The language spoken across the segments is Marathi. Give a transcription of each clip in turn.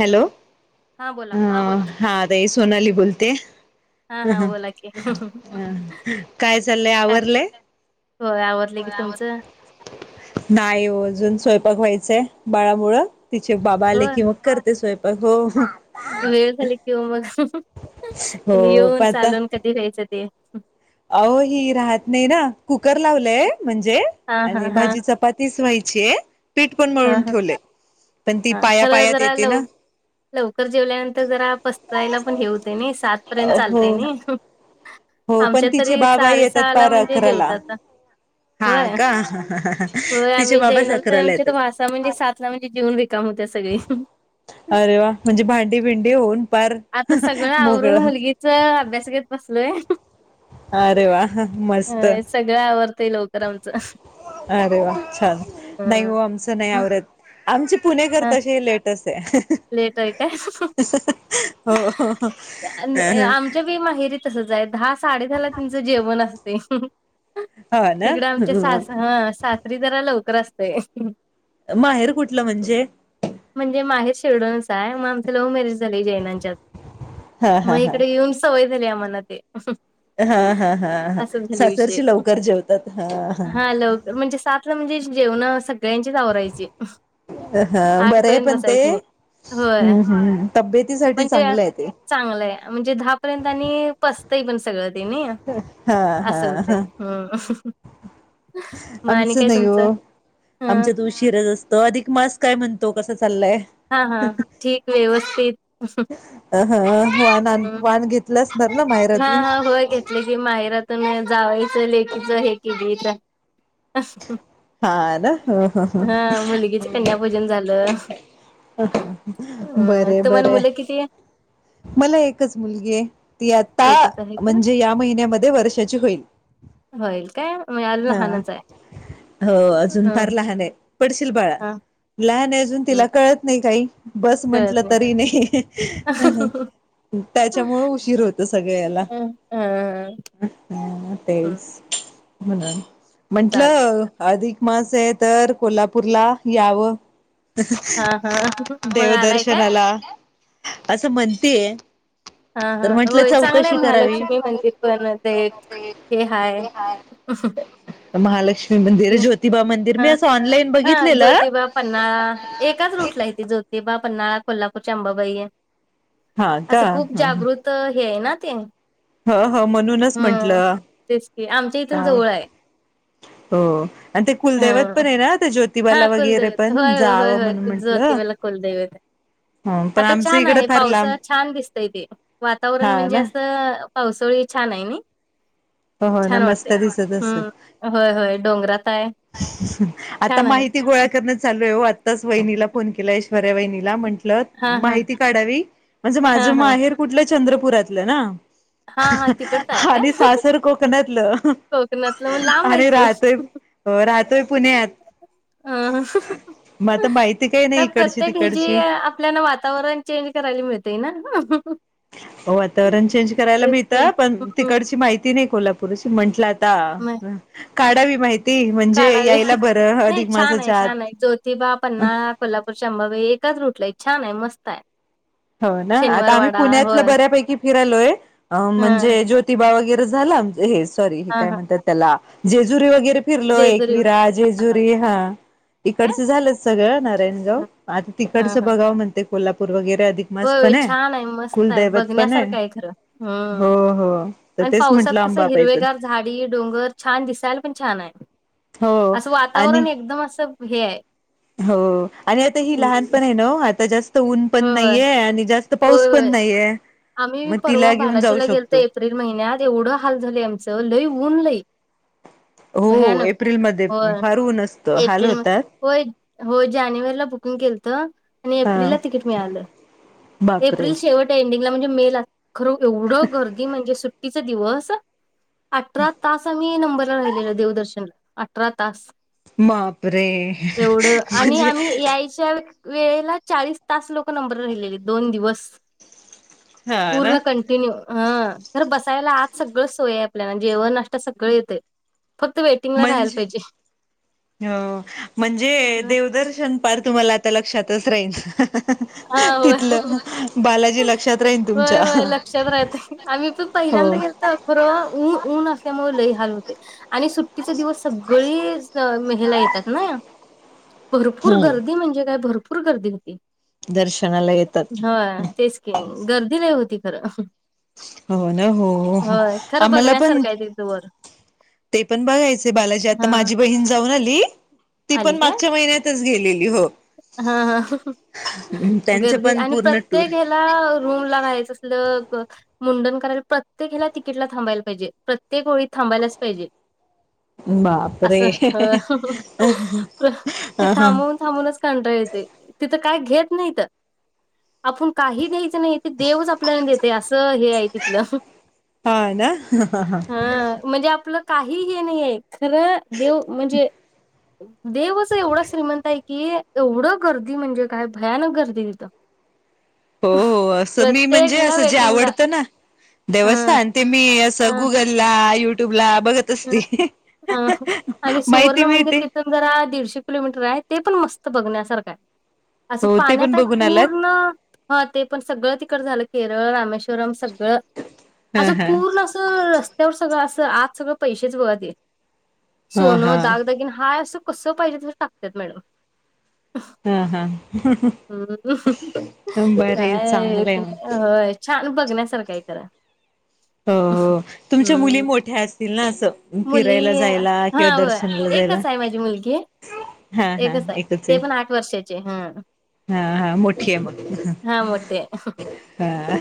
हॅलो. हा अ बोला हा दये नाली बोलते हा हा बोला की काय चाललंय? काय आवरलयं. होय आवरलं की, तुमचं? नाइ ओ अजून सोय बघवायचंय बाळामुळं तिचे बाबा आले होय की मग, करते स्वयंपाक हो. वेळ झाली की हो मग, त्यांनी हो येऊन चालून कधी व्हायच ते? आओ ही राहत नाही ना, कुकर लावलंय म्हणजे हा हा आणि हा भाजी चपातीच व्हायचीये, पीठ पण हा मळून हा ठेवलय. पण ती हा पाया, खरं पायात जरा येते लव ना. लवकर जेवल्यानंतर जरा पसरायला पण हे होतंय नाई, सात पर्यंत हो चालतय नाई. हो, पण तिचे बाबा येतात पार म्हणजे अकराला. जेवतात हा होय का होय, तिचे बाबाच अकराला येतात [unintelligible] म्हणजे सातला म्हणजे जेऊन व्हे अरे वा. म्हणजे भांडी भिंडी होऊन पार आता सगळं मोकळ आवरून मुलगीच अभ्यास घेत बसलोय. अरे वा, मस्त. अं, सगळं आवरतंय लवकर आमचं अरे वा, छान. नाही हा हो आमचं नाही मग आवरत. आमची पुणेकर तशी लेटचये. लेट आहे काय हो हो हो. आमच्या बी माहेरी तसच दहा साडे दाला तचं जेवण असते हो ना तिकडं आमच्या हम्म. सास हा सासरी जरा लवकर असतेय माहेर कुठलं म्हणजे किरडूनच आहे आमचं लव्ह मॅरेज झाले जैनांच्या हा हा हा इकडं येऊन सवय झाल्या म्हणा तेच हा हा हा हा अस झालय विषय सासरची लवकर जेवतात हा हा लवकर म्हणजे सातला म्हणजे जेवण सगळ्यांचेच आवरायचे हा बरे आहे पण ते होय हम्म हम् तब्येतीसाठीठी म्हणजे चांगलं आहे ते चांगलंय म्हणजे दहा पर्यंत पसतं पण सगळं हा हा अससल ते हा हम्म मग आणि आमचं काय नाही तुमचं हो ह आमच्यात उशीरच असत अधिक मास काय म्हण. ल्ले हा हा ठीक व्यवस्थित अ ह वान हम्म वाण घेतला असणार ना हा माहेरातून हा होय घेतली की माहिरात म जावायचं लेकीीच हे केली तर हा ना ह ह हा मुलगीच कन्या भोजन झालं बर अ बर तुम्हाला मुलं किती आहे? मला एकच मुलगी आहे ती आता एकच आहे का म्हणजे या महिन्यामध्ये वर्षाची होईल होईल काय म्हणजे अजून हा लहानच आहे हो अजून ह फार लहान आहे पडशील बाळा हा लहान आहे अजून तिला कळत नाही काही बस म्हंटलं तरी नाही त्याच्यामुळे उशीर होतच सगळ याला ह ह तेच म्हणून चालत म्हंटलं अधिक मास आहे तर कोल्हापूरला यावं हा हा मग आलाय का देवदर्शनाला असं म्हणतेय हा हा तर म्हंटलं होय चांगलं आहे चौकशी करावी महालक्ष्मी मंदिर पण ते ते हाय महालक्ष्मी मंदिर ज्योतिबा मंदिर हा मी असं ऑनलाईन हा बघितलेलं ज्योतिबा पन््हाळा एकाच रूटला य त ज्योतिबाप पन््हाळा कोल्हापूरचे अंबाबाई हा का असं खूप जागृत हे आहे ना ते ह हो म्हणूनच हम्म म्हंटलं तेच की आमच्या इथून जवळ आहे हो आणि ते कुलदैवत ह पण आहे ना हा ज्योतिबाला वगैरे कुलदैवत दे पण होय होय होय जावं होय म्हणून म्हंटलं जोतिबाला कुलदैवत देवे ह पण आता आमचं छान इकडं आहे फार लांब पावसात छान दिसत इ तेे वातावरण हा म्हणजे ना असं पावसळी छान आहे ना हो हो ना छान मस्त वाटते दिसत असेल. ह् होय होय डोंगरात आहे आता छान आहे माहिती गोळा करण चालू आत्ताच वहिनीला फोन केला ऐश्वर्या वहिनीला म्हट हा हा माहिती काढावी म्हणजे हा माझं हा माहेर कुठलं चंद्रपुरातलं ना हा हा तिकडचं आहे काय आणि सासर कोकणातलं कोकणातलं मग लांब आहे आणि की ओ. राहतय हो राहतोय पुण्यात ह्ह्ह्ह मग आता माहिती काही नाही का इकडची प्रत्येक हि जी तिकडची. आपल्याला वातावरण चेंज करायला मिळते ना हो वातावरण चेंज करायला तेच मिळत की पण हम्म तिकडची माहिती नाही कोल्हापूरशी म्हंटलं काढावी माहिती म्हणजे काढावी यायला बर नाही छान आहे छान आहे ज्योतिबा पन्हाळा कोल्हापूर अंबाबाई एकाच रूटला छान आहे मस्त आहे हो ना आता आम्ही शनिवारवाडा पुण्यातलं होय बऱ्यापैकी फिरालोय हा म्हणजे ज्योतिबा वगैरे झालं आमचं हे काय सॉरी हे हा काय हा म्हणतात त्याला जेजुरी वगैरे फिरलो एकविरा जेजुरी हा काय इकडचं झालं सगळं नारायणगाव आता तिकडचं बघाव म्हणते कोल्हापूर वगैरे अधिक मास हो पण छान! आहे मस्! !. आहे कुलदैवत पण बघण्यासारखं आहे खरं हम् हो हो तर आणि तेच पावसाात म्हंटलं कसे अंबाबाई पण हिरवेगार झाडी डोंगर छान दिसायला पण छान आहे हो असं आणि वातावरण एकदम असं हे आहे हो आणि आता ही हम्म. लहान पण आहे न आता जास्त जास्त ऊन पण होय होय नाहीये आणि जास्त होय पाऊस पण होय. नाहीये आम्ही मग परवा तिला घेऊन जाऊ बालाजीला गेल तर शकतो एप्रिल महिन्यात एवढं हाल झालं आमचं लई ऊन लई हो भयानक एप्रिलमध्ये होय फार ऊन असतं हाल एप्रिल होतात. मधे हो जानेवारीला बुकिंग केलंत आणि हा एप्रिलला तिकीट मिळालं बापरे. एप्रिल शेवट एंडिंगला म्हणजे मे ला खरं एवढं गर्दी म्हणजे सुट्टीचा दिवस अठरा तास आम्ही नंबरला राहिलेला देवदर्शनला अठरा तास बापरे एवढं आणि म्हणजे आम्ही यायच्याचा वेळेला चाळीस तास लोक नंबर राहिलेले दोन दिवस. हा ना पूरण कंटिन्यू हं तर बसायला आज सगळं सोय आपल्याला जेवण नाष्ट सगळे येते म्हणजे ह म्हणजे देवदर्शन पार तुम्हाला लक्षात राहील हा होय. तिथं बालाजी लक्षात राहीण होय होय लक्षात राहते आम्ही पण हो. पहिल्यांदा गेलो तो खरंतर ऊन ऊन असल्यामुळेलही लय हो आणि सुट्टीचा दिवस सगळे मे ला येतात ना भरपूर हम्म गर्दी म्हणजे काय भरपूर गर्दी होती दर्शनाला येतात हा तेच क गर्दी लय होती खरं हो ना हो होय खरं आम्हाला पण बघण्यासारखं आहे तिथं वर. ते पण बघायचे बालाजी आता हा. माझी बहीण जाऊन आली ती आली पण काय? मागच्या महिन्यातच गेलेली हो. हा हा त्यांचं गर्दी पण आणि पूर्ण टूर प्रत्येक हे ला रूम ला राहायचं असेल मुंडन करायला प्रत्येकला तिकीटला थांबायला पाहिजे प्रत्येक वेळी थांबायलाच पाहिजे बापरे असं ते ह हा थांबून थांबूनच कंटाळा तिथं काय घेत नाहीत आपण काही द्यायचं नाही ते देवच आपल्याला देते असं हे आहे तिथलं हा ना हा म्हणजे आपलं काही हे नाहीय खरं देव म्हणजे देवच एवढा श्रीमंत आहे कि एवढं गर्दी म्हणजे काय भयानक गर्दी तिथं हो हो असं मी प्रत्येक म्हणजे ह्याला असं जे वेटिंगला आवडतं ना हा देवस्थान ते मी असं हा गुगलला यु आणि सुवर्ण माहिती मंदिर मिळते तिथून जरा दीडशे किलोमीटर आहेत. ते पण मस्त बघण्यासारखं आहे असं हो ते पण पाण्यात आहे बघून आलात पूर्ण ह ते पण सगळं तिकडे झालं केरळ, रामेश्वर सगळं हा असं हा पूर्ण अस रस्त्यावर सगळं अस आज सगळं पैसेच बघा ते हा सोनं हा दागदाागिन हाय असं कस पाहिजे तस टाकतात मॅडम हा हा हम् बरे काय चांगलंय मग होय छान बघण्यासारखं आहे खर हो हो तुमच्या मुली मोठ्या असतील ना? मुली फिरायला जायला हा किंवा होय दर्शनाला जायला. एकच आहे माझी मुलगी एकच आहे ते पण आठ वर्षाची हम हा हा मोठी आहे मग हा मोठे हा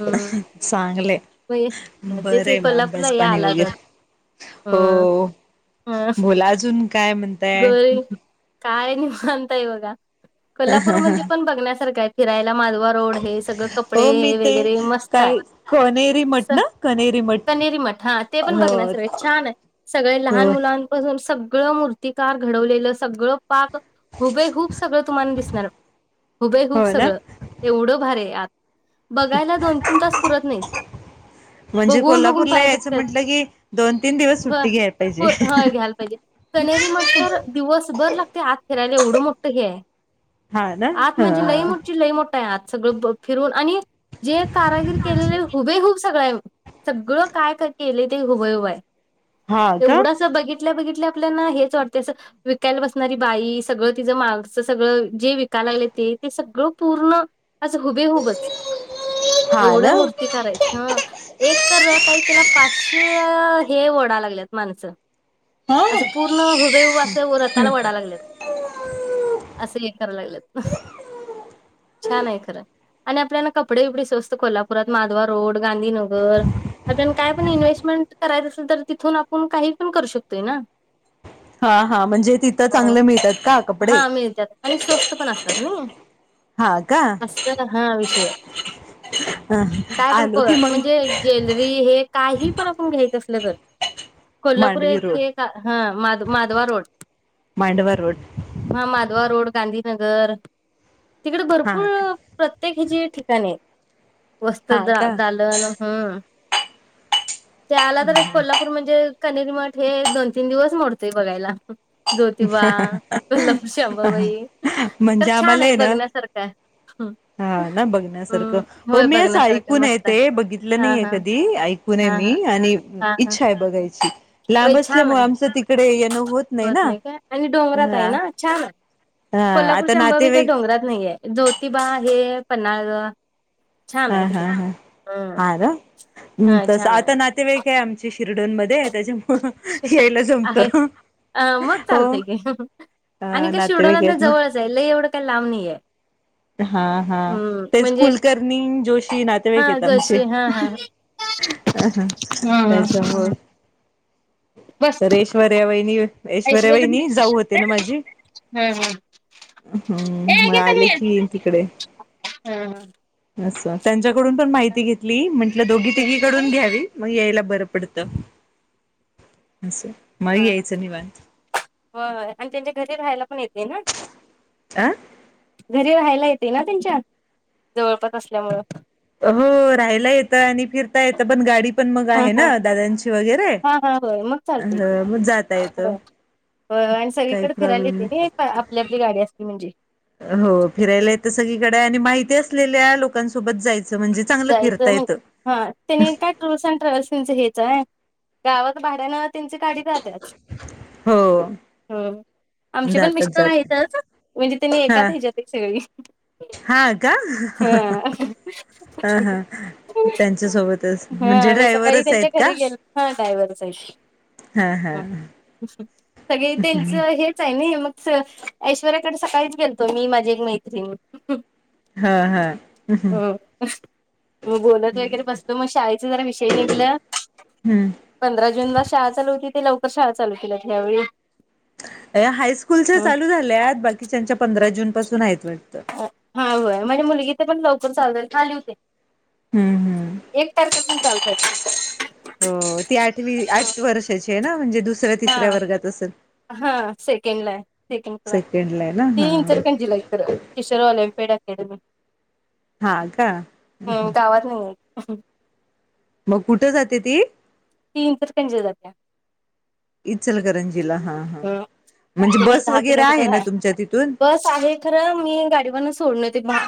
हम्म मग तेच बर की आहे ना कोल्हापूरला असे या पाणी आला तर वगैरे हो हम्म ह बोला अजून काय म्हण गोरी काय निवांत आहे बघा. कोल्हापूर म्हणजे पण बघण्यासारखा आहे, फिरायला माधवा रोड हे सगळं कपडे हो मी हे ते वगैरे मस्त काय हाय. कनेरी मठ ना कनेरी कनेरी मठ हा ते पण हो बघण्यासारखं हाय, छान आहे. सगळे लहान हो मुलांपासून सगळं मूर्तिकार घडवलेलं सगळं पाक हुबे हूप सगळं तुम्हाला दिसणार. हुबे हूब हो ना सगळं एवढं भार आहे आत. बघायला दोन तीन तास पुरत नाहीत. म्हणजे बघून बघून कोल्हापूरला पाय यायचं दुखतात म्हटलं की दोन तीन दिवस होय. सुट्टी घ्यायला पाहिजे. हो होय घ्यायला पाहिजे कनेरी मट तर दिवस बर लागते आत फिरायला एवढं मोठं हे आहे. हा ना आत म्हणजे लई ह मोची लई मोठा आहे. आत सगळं फिरून आणि जे कारागिर केलेले हुबे हुब सगळ आहे. सगळं काय का केले ते हुबेहूब हाय. हा का तेवढासा बघितल्या बघितल्या आपल्याना हे च वाटत अस विकायला बसणारी बाई सगळं तिचं मागस सगळं जे विकायला लागले ते सगळं पूर्ण आज हुबेहुबच. हा ना एवढं मूर्तीकार आहेत. ह एक तर रथ आहे तिला पाचशे हे ओढा लागल्यात माणसं. हं. हो हुबे हुब असं व रताला वडा लागलेत. असं हे करायला लागलेत छान आहे खरं. आणि आपल्याना कपडे विपडे स्वस्त कोल्हापुरात माधवा रोड गांधीनगर आपण काय पण इन्व्हेस्टमेंट करायचं असेल तर तिथून आपण काही पण करू शकतोय ना. हा हा म्हणजे तिथं चांगलं मिळतात का कपडे? हा हा का अस हा विषय. काय पण आलो की मग म्हणजे ज्वेलरी हे काही पण आपण घ्याय असल तर कोल्हापूर मांडवी रोड हे एक हा माध माधवा रोड मांडवा रोड हा माधवा रोड गांधीनगर तिकड हा भरपूर का प्रत्येक हेची ठिकाणे आहेत. वस्त्र हा का दालवाण हम्म. ते आला तर एक कोल्हापूर म्हणजे कनेरी मठ हे दोन तीन दिवस मोडतोय बघायला. ज्योतिबा कोल्हापूरची आंबाबाई तर म्हणजे छान आम्हाला आहे ना बघण्यासारखय. हम्म. हा ना बघण्यासारखं हो होय मी असं बघण्यासारखं ऐकूनय मस्त ते आहे. बघितलं हा नाहीे हा कधी ऐकूूनये हा मी. हा आणि हा हा इच्छा आहे बघायची होय लांब छान असल्यामुळे आहे आमच तिकडे येनो होत नाही ना. आणि डोंगरात आहे हा ना छान आहे हा आता कोल्हापूरच्या अंबाबाई काय नातेवाईक डोंगरात नाहीये. ज्योतिबा हे पन्हाळा जवळ छान आहे तिकडच हम्म. हम् हा तस छान आहे आता नातेवाईक आहेय आमची किर्डोनमध्ये त्याच्यामुळे यायला आहे जमतं. अ मग चालतय कि आणि कशी उडवणार नातेवाईक ना आहेत जवळ जाईल एवढं काय लांब नाही आहे. हा हा तेच कुलकर्णी जोशी हा नातेवाईकेत आमचे. जशी हा हा अ हा हा त्याच्यामूळ. बस तर ऐश्वर्यावहिनी ऐश्वर्या वहिनी जाऊ होते ना माझी हा हा ए हम्म मग घे तन्वी आले कि तिकडे हा असं. त्यांच्याकडून पण हा माहिती घेतली म्हंटलं दोघी काय तिघीकडून घ्यावी मग यायला बर पडतं. असं मग हा यायचं निवांत होय होय आणि त्यांच्या घरी राहायला पण येते ना? आ घरी राहायला येते ना त्यांच्या? जवळपास असल्यामुळं. हो राहायला येतं आणि फिरता येत पण गाडी पण मग हा आहे हा ना दादांची वगैरे हा हा होय मग अ चालतंय की मग जाता येत आणि सगळीकडे फिरायला प्रॉब्लेम येते नाही ना आपली आपली गाडी असली म्हणजे हो फिरायला येत सगळीकडे आणि माहिती असलेल्या लोकांसोबत जायचं म्हणजे चांगलं फिरता जायचं मग येतं हा त्यानी काय टूर्स अँड ट्रॅव्हल्सचं हे्याचय गावात भाड्यान त्यांची गाडी जातात हो हो आमचे पण जातात मिस्टर जातात आहेतच म्हणजे त्यांनी हा एात ह्याच्यात सगळी हा का हा ह ह त्यांच्या सोबतच म्हणजे हा मी सकाळी ड्रायव्हरच आहेत त्यांच्या का घरी गेलो हा डायव्हरच आहेत. हा हा हां. सगळे त्यांच हेच आहे ना मग ऐश्वर्याकडे सकाळीच गेलतो मी माझी एक मैत्रीण हा हा्म ह मग बोलत वगैरे बसत मग शाळेचा जरा विषय निघल हम्म पंधरा जून ला शाळा चालू होती ते लवकर शाळा चालू केल्यातल्यावेळी अ हायस्कूलच्या चालू झाल्या आहेत बाकीच्याच्या पंधरा जून पासून आहेतट हाय म्हणे मुलगीचे पण ल ण चालत खाली होते हम्म हम्म एक तारखेतून चालतात हो ती आठवी आठ वर्षाची आहे ना म्हणजे दुसऱ्या हा तिसऱ्या वर्गात असेल हा सेकंड ला आहे सेकंड क्लास सेकंडला आहे ना ती हा इंचरंजीला एक तर टिचरवाल्या पेडा केडम ह ह अ् मग कुठं जाते ती तीन तर त्यांंच जात्या इचलकरंजीला हा हा म्हणजे तून एक बस दहा वगैरे किलोमीटर ना आहे तुमच्या तिथून बस आहे खरं मी गाडीवरन सोडण ते भा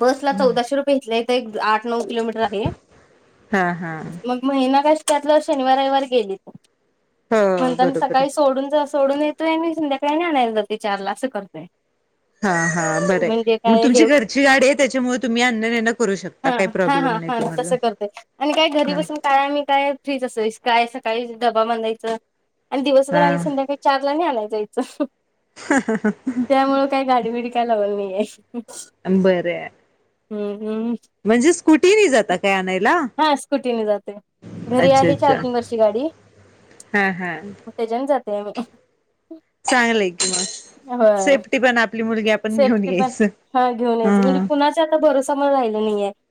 बसला चौदाशे रुपये घेतलेय एक आठ नऊ किलोमीटर आहे हा हा मग शनिवारेली हो म्हण बरोबर सकाळी आहे सोडून सोडून येतोय आणिी संध्याकाळी आणायला ज त चारला असं करतोय ह हा हा बरं म्हणजे मग काय तुमची हे घरची गाडी आहे त्याच्यामुळे तुम्ही अन्न नणं करू शकता काही प्रॉब्लेम नाही तुम्हाला त कर आणि काय घरी बून का काय फ्रीज अस काय सकाळी डबा बांधायच आणि दिवसभर हा आणि हा संध्याकाळी चारला आलायच च त्यामुळ काय गाडीबडी काय लावल नाही अंबर हम्म जाता काय आणायला हा स्कुटीने जात घरी अच्छा आहे चार अच्छा तीन वर्ष गाडी हा हा कठ्याच्यान जातेी चांगलं आहे क मग होय सेफ्टी पण आप सेफ्टी पण हा घेऊन यायच म्हणजे हा कुणाच्या आता भरोसामुळे राहिलं नाहीय